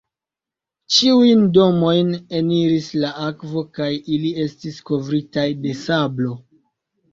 Ĉiujn domojn eniris la akvo kaj ili estis kovritaj de sablo.